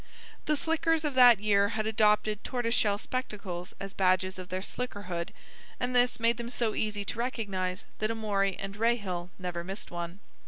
The slickers of that year had adopted tortoise shell spectacles as badges of their slickerhood, and this made them so easy to recognize that Amory and Rahill never missed one.